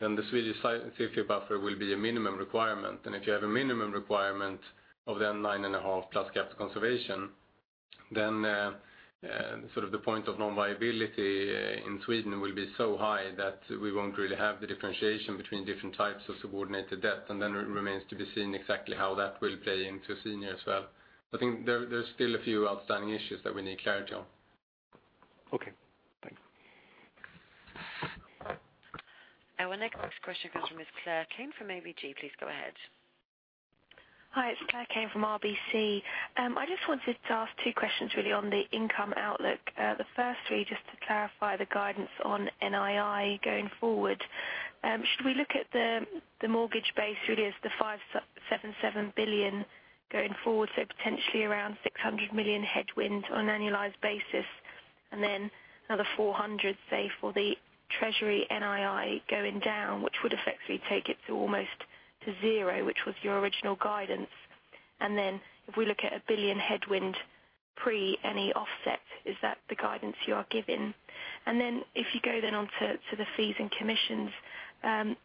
then the Swedish safety buffer will be a minimum requirement. And if you have a minimum requirement of then 9.5+ capital conservation, then sort of the point of non-viability in Sweden will be so high that we won't really have the differentiation between different types of subordinated debt. And then it remains to be seen exactly how that will play into senior as well. I think there, there's still a few outstanding issues that we need clarity on. Okay. Thank you. Our next question comes from Ms. Claire Kane from ABG. Please go ahead. Hi, it's Claire Kane from RBC. I just wanted to ask two questions, really, on the income outlook. The first three, just to clarify the guidance on NII going forward. Should we look at the mortgage base really as the 577 billion going forward, so potentially around 600 million headwind on an annualized basis? And then another 400, say, for the treasury NII going down, which would effectively take it to almost to zero, which was your original guidance. And then if we look at a 1 billion headwind pre any offset, is that the guidance you are giving? And then if you go then on to the fees and commissions, clearly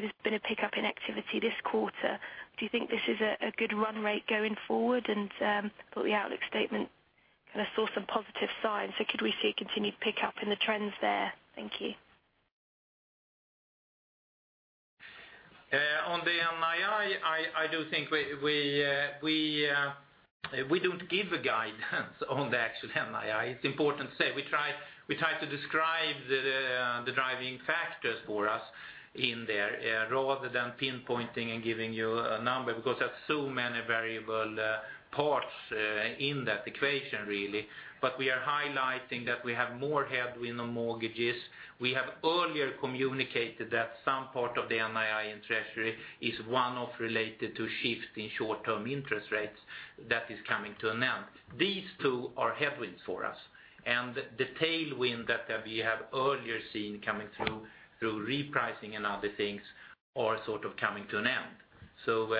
there's been a pickup in activity this quarter. Do you think this is a good run rate going forward? But the outlook statement kinda saw some positive signs. Could we see a continued pickup in the trends there? Thank you. On the NII, I do think we don't give a guidance on the actual NII. It's important to say, we try to describe the driving factors for us in there, rather than pinpointing and giving you a number, because there are so many variable parts in that equation, really. But we are highlighting that we have more headwind on mortgages. We have earlier communicated that some part of the NII in treasury is one-off related to shift in short-term interest rates that is coming to an end. These two are headwinds for us, and the tailwind that we have earlier seen coming through repricing and other things are sort of coming to an end. So,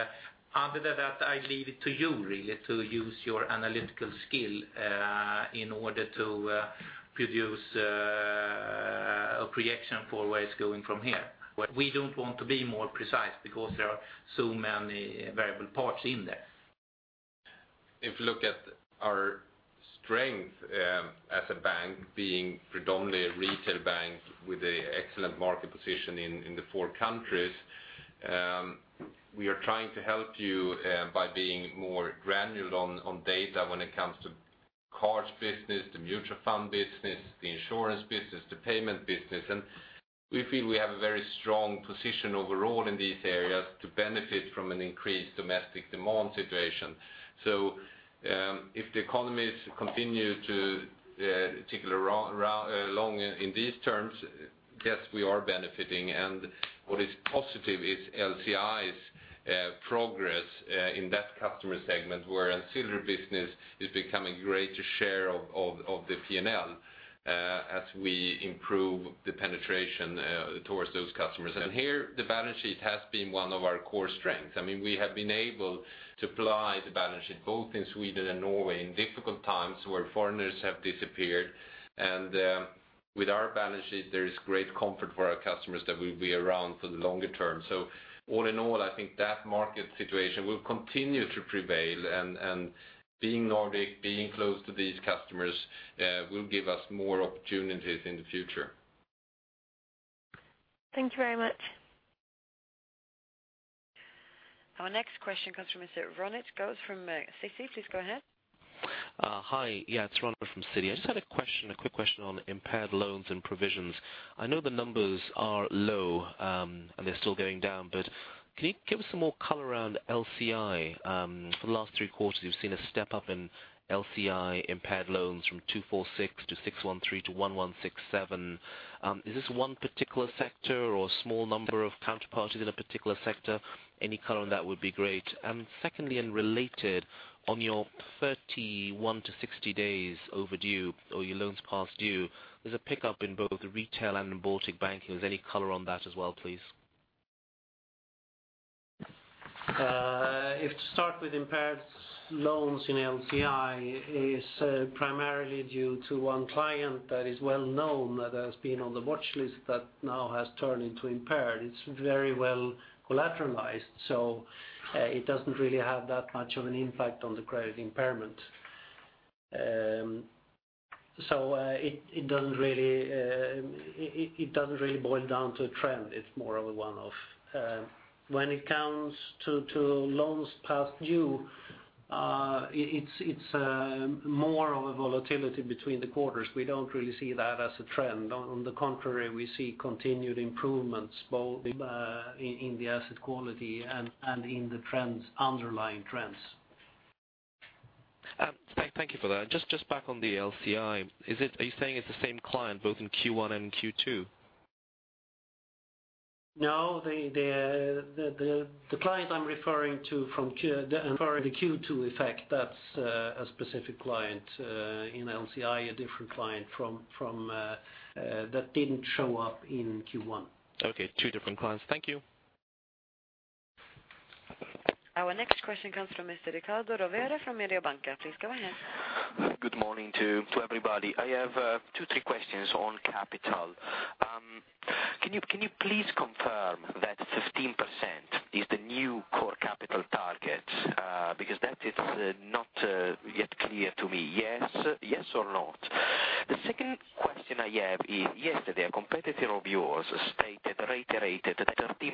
other than that, I leave it to you really, to use your analytical skill in order to produce a projection for where it's going from here. But we don't want to be more precise because there are so many variable parts in there. If you look at our strength, as a bank, being predominantly a retail bank with an excellent market position in the four countries, we are trying to help you by being more granular on data when it comes to cards business, the mutual fund business, the insurance business, the payment business. We feel we have a very strong position overall in these areas to benefit from an increased domestic demand situation. If the economies continue to tickle around, around, along in these terms, yes, we are benefiting. What is positive is LC&I's progress in that customer segment, where ancillary business is becoming greater share of the P&L, as we improve the penetration towards those customers. Here, the balance sheet has been one of our core strengths. I mean, we have been able to fly the balance sheet both in Sweden and Norway, in difficult times where foreigners have disappeared. And with our balance sheet, there is great comfort for our customers that we'll be around for the longer term. So all in all, I think that market situation will continue to prevail, and being Nordic, being close to these customers, will give us more opportunities in the future. Thank you very much. Our next question comes from Mr. Ronit Ghose from Citi. Please go ahead. Hi. Yeah, it's Ronit from Citi. I just had a question, a quick question on impaired loans and provisions. I know the numbers are low, and they're still going down, but can you give us some more color around LC&I? For the last three quarters, we've seen a step-up in LC&I impaired loans from 246 to 613 to 1,167. Is this one particular sector or a small number of counterparties in a particular sector? Any color on that would be great. And secondly, and related, on your 31-60 days overdue or your loans past due, there's a pickup in both retail and Baltic banking. Is there any color on that as well, please? If to start with, impaired loans in LC&I is primarily due to one client that is well-known, that has been on the watchlist, that now has turned into impaired. It's very well collateralized, so it doesn't really have that much of an impact on the credit impairment. It doesn't really boil down to a trend. It's more of a one-off. When it comes to loans past due, it's more of a volatility between the quarters. We don't really see that as a trend. On the contrary, we see continued improvements, both in the asset quality and in the underlying trends. Thank you for that. Just back on the LC&I, is it? Are you saying it's the same client both in Q1 and Q2? No, the client I'm referring to from Q2 effect, that's a specific client in LCI, a different client from that didn't show up in Q1. Okay, two different clients. Thank you. Our next question comes from Mr. Riccardo Rovere from Mediobanca. Please go ahead. Good morning to everybody. I have two, three questions on capital. Can you please confirm that 15% is the new core capital target? Because that is not yet clear to me. Yes or no? The second question I have is, yesterday, a competitor of yours stated, reiterated a 13%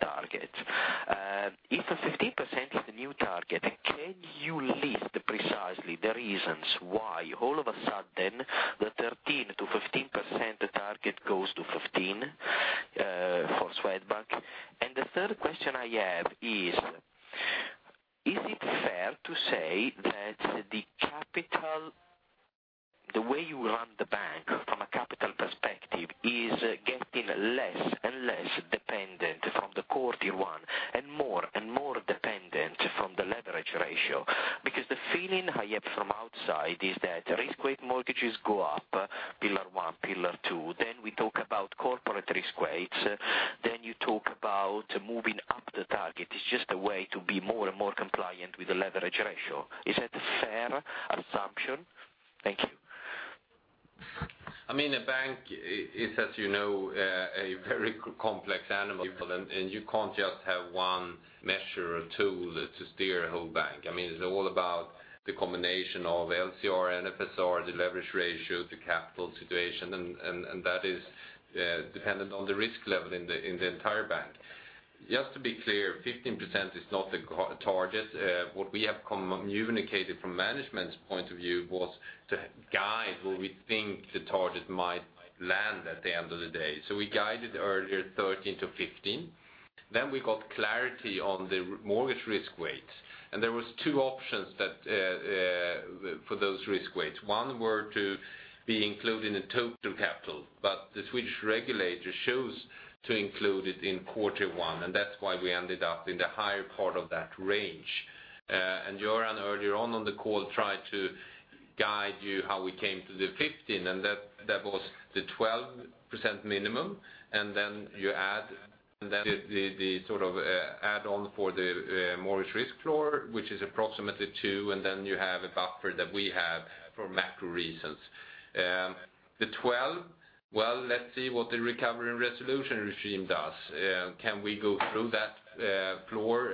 target. If a 15% is the new target, can you list precisely the reasons why all of a sudden, the 13%-15% target goes to 15%, for Swedbank? And the third question I have is, is it fair to say that the capital, the way you run the bank from a capital perspective, is getting less-...Core Tier 1 and more and more dependent from the leverage ratio, because the feeling I have from outside is that risk weight mortgages go up, Pillar 1, Pillar 2, then we talk about corporate risk weights, then you talk about moving up the target. It's just a way to be more and more compliant with the leverage ratio. Is that a fair assumption? Thank you. I mean, a bank is, as you know, a very complex animal, and you can't just have one measure or tool to steer a whole bank. I mean, it's all about the combination of LCR, NSFR, the leverage ratio, the capital situation, and that is dependent on the risk level in the entire bank. Just to be clear, 15% is not the goal target. What we have communicated from management's point of view was to guide where we think the target might land at the end of the day. So we guided earlier 13%-15%. Then we got clarity on the mortgage risk weights, and there was two options that for those risk weights. One were to be included in total capital, but the Swedish regulator chose to include it in quarter one, and that's why we ended up in the higher part of that range. And Göran, earlier on, on the call, tried to guide you how we came to the 15, and that, that was the 12% minimum, and then you add, then the, the, the sort of, add-on for the, mortgage risk floor, which is approximately two, and then you have a buffer that we have for macro reasons. The 12, well, let's see what the Recovery and Resolution Regime does. Can we go through that, floor,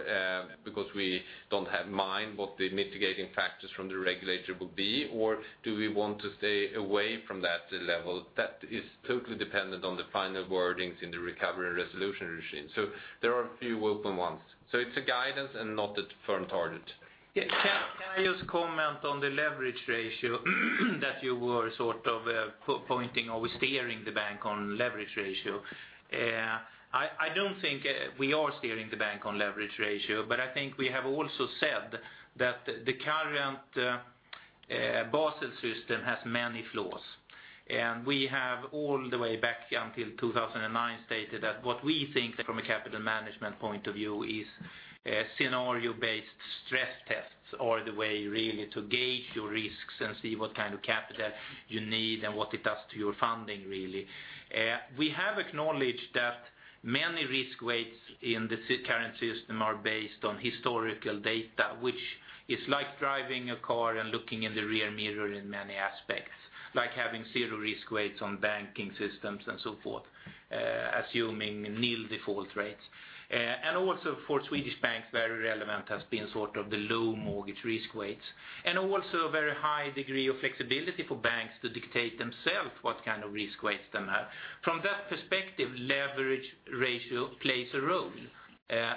because we don't have mind what the mitigating factors from the regulator will be, or do we want to stay away from that level? That is totally dependent on the final wordings in the Recovery and Resolution Regime. There are a few open ones. It's a guidance and not a firm target. Yes, can I just comment on the leverage ratio that you were sort of pointing or steering the bank on leverage ratio? I, I don't think we are steering the bank on leverage ratio, but I think we have also said that the current Basel system has many flaws. And we have all the way back until 2009, stated that what we think from a capital management point of view is, scenario-based stress tests are the way really to gauge your risks and see what kind of capital you need and what it does to your funding, really. We have acknowledged that many risk weights in the current system are based on historical data, which is like driving a car and looking in the rear mirror in many aspects, like having zero risk weights on banking systems and so forth, assuming nil default rates. And also for Swedish banks, very relevant has been sort of the low mortgage risk weights, and also a very high degree of flexibility for banks to dictate themselves what kind of risk weights they have. From that perspective, leverage ratio plays a role,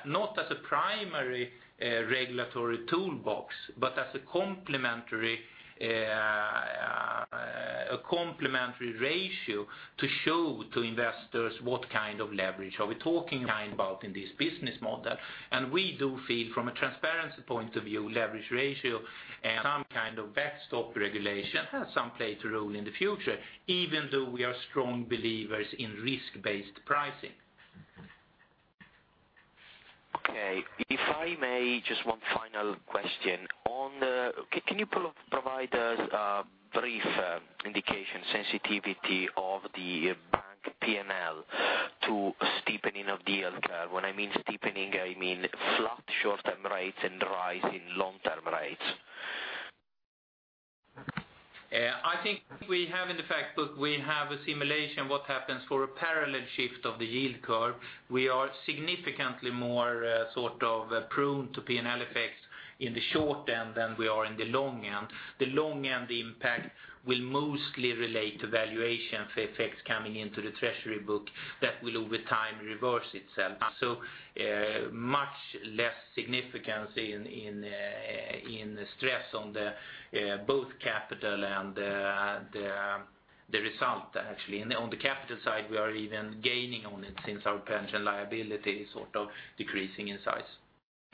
not as a primary regulatory toolbox, but as a complementary, a complementary ratio to show to investors what kind of leverage are we talking about in this business model. We do feel from a transparency point of view, leverage ratio and some kind of backstop regulation has some play to role in the future, even though we are strong believers in risk-based pricing. Okay. If I may, just one final question. Can you provide us a brief indication, sensitivity of the bank P&L to steepening of the yield curve? When I mean steepening, I mean flat short-term rates and rise in long-term rates. I think we have in the fact book, we have a simulation, what happens for a parallel shift of the yield curve. We are significantly more, sort of prone to P&L effects in the short end than we are in the long end. The long end impact will mostly relate to valuation effects coming into the treasury book that will, over time, reverse itself. So, much less significance in stress on the both capital and the result, actually. On the capital side, we are even gaining on it since our pension liability is sort of decreasing in size.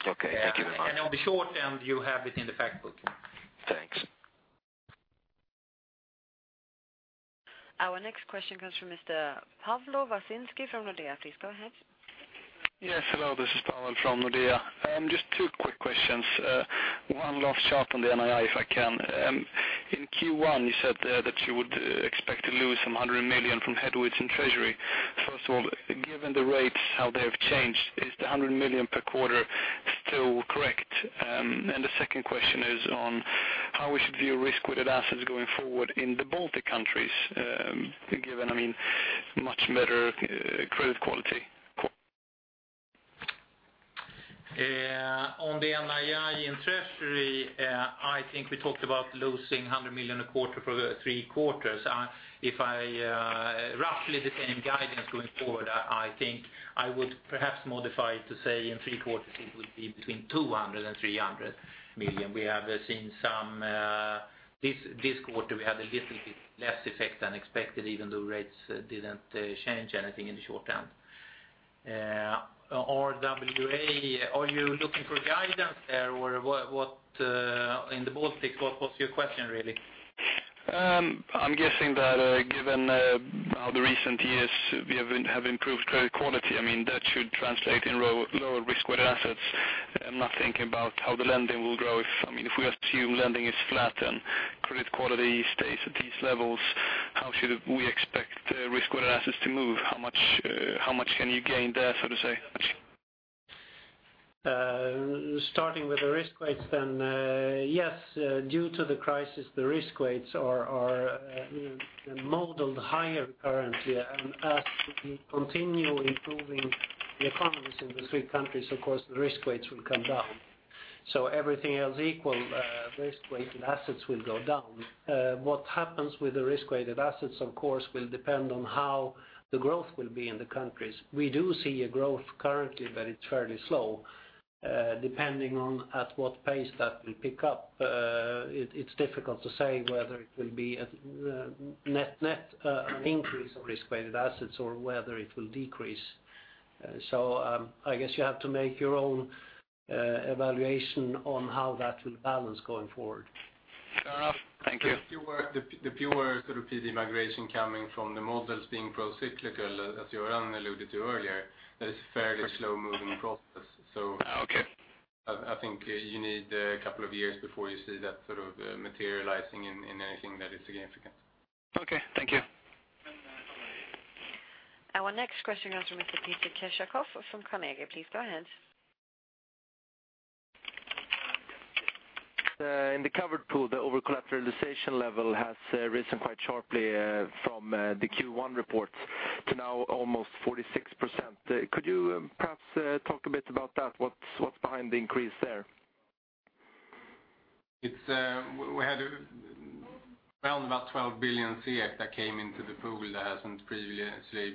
Okay, thank you very much. On the short end, you have it in the fact book. Thanks. Our next question comes from Mr. Pavlo Vasylinskyy from Nordea. Please go ahead. Yes, hello, this is Pavlo from Nordea. Just two quick questions. One last shot on the NII, if I can. In Q1, you said that you would expect to lose some 100 million from headwinds in treasury. First of all, given the rates, how they have changed, is the 100 million per quarter still correct? And the second question is on how we should view risk-weighted assets going forward in the Baltic countries, given, I mean, much better, credit quality? On the NII in treasury, I think we talked about losing 100 million a quarter for three quarters. If I roughly the same guidance going forward, I think I would perhaps modify it to say in three quarters it would be between 200 million and 300 million. We have seen some... This quarter, we had a little bit less effect than expected, even though rates didn't change anything in the short term. RWA, are you looking for guidance there or what in the Baltics, what was your question, really? I'm guessing that, given how the recent years we have improved credit quality, I mean, that should translate in lower risk-weighted assets. I'm not thinking about how the lending will grow. If, I mean, if we assume lending is flat and credit quality stays at these levels, how should we expect risk-weighted assets to move? How much can you gain there, so to say? Starting with the risk weights, then, yes, due to the crisis, the risk weights are modeled higher currently. And as we continue improving the economies in the three countries, of course, the risk weights will come down. So everything else equal, risk-weighted assets will go down. What happens with the risk-weighted assets, of course, will depend on how the growth will be in the countries. We do see a growth currently, but it's fairly slow. Depending on at what pace that will pick up, it's difficult to say whether it will be a net increase of risk-weighted assets or whether it will decrease. So, I guess you have to make your own evaluation on how that will balance going forward. Fair enough. Thank you. The pure sort of PD migration coming from the models being pro-cyclical, as Göran alluded to earlier, that is a fairly slow-moving process, so- Okay. I think you need a couple of years before you see that sort of materializing in anything that is significant. Okay. Thank you. Our next question comes from Mr. Peter Kessiakoff from Carnegie. Please go ahead. In the covered pool, the over-collateralization level has risen quite sharply from the Q1 reports to now almost 46%. Could you perhaps talk a bit about that? What's behind the increase there? It's, we had around about 12 billion CF that came into the pool that hasn't previously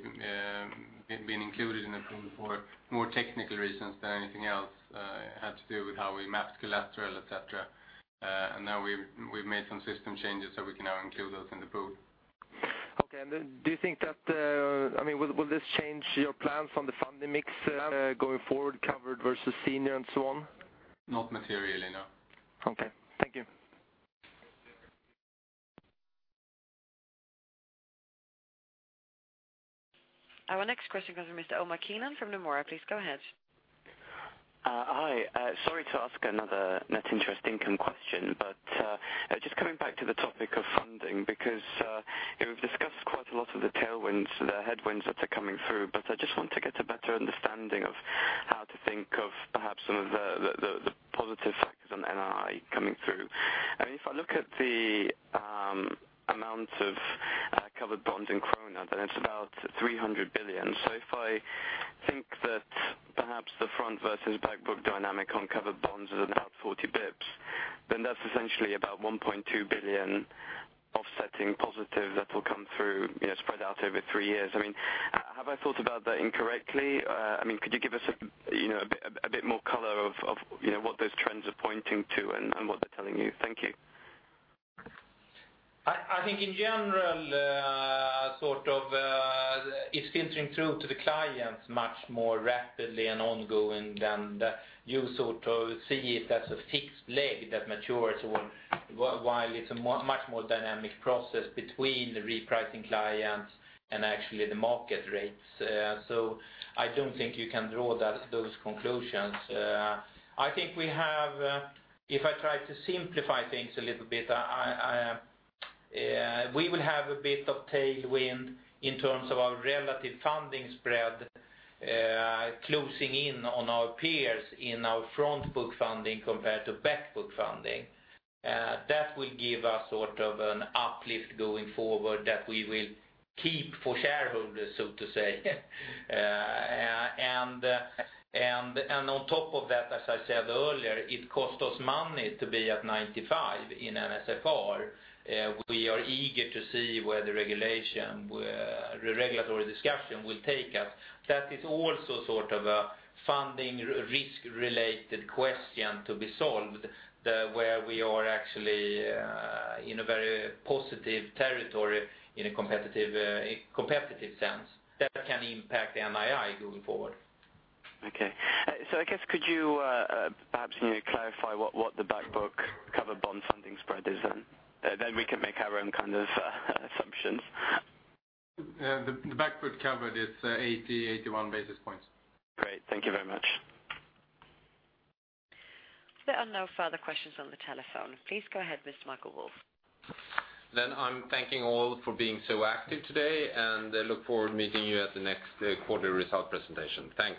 been included in the pool for more technical reasons than anything else. It had to do with how we mapped collateral, et cetera. And now we've made some system changes, so we can now include those in the pool. Okay. And then do you think that, I mean, will this change your plans on the funding mix, going forward, covered versus senior and so on? Not materially, no. Okay. Thank you. Our next question comes from Mr. Omar Keenan from Nomura. Please go ahead. Hi. Sorry to ask another net interest income question, but just coming back to the topic of funding, because you've discussed quite a lot of the tailwinds, the headwinds that are coming through, but I just want to get a better understanding of how to think of perhaps some of the positive factors on NII coming through. I mean, if I look at the amount of covered bonds in krona, then it's about 300 billion. So if I think that perhaps the front versus back book dynamic on covered bonds is about 40 basis points, then that's essentially about 1.2 billion offsetting positive that will come through, you know, spread out over three years. I mean, have I thought about that incorrectly? I mean, could you give us a, you know, a bit more color of what those trends are pointing to and what they're telling you? Thank you. I think in general, sort of, it's filtering through to the clients much more rapidly and ongoing than you sort of see it as a fixed leg that matures or while it's a much more dynamic process between the repricing clients and actually the market rates. So I don't think you can draw that, those conclusions. I think we have... If I try to simplify things a little bit, we will have a bit of tailwind in terms of our relative funding spread, closing in on our peers in our front book funding compared to back book funding. That will give us sort of an uplift going forward that we will keep for shareholders, so to say. And on top of that, as I said earlier, it cost us money to be at 95 in NSFR. We are eager to see where the regulation, the regulatory discussion will take us. That is also sort of a funding risk-related question to be solved, the, where we are actually, in a very positive territory, in a competitive, competitive sense, that can impact the NII going forward. Okay. So I guess, could you, perhaps, you know, clarify what the back book covered bond funding spread is then? Then we can make our own kind of assumptions. The back book covered is 81 basis points. Great. Thank you very much. There are no further questions on the telephone. Please go ahead, Mr. Michael Wolf. Then I'm thanking all for being so active today, and I look forward to meeting you at the next quarter result presentation. Thank you.